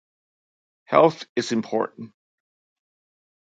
Health is important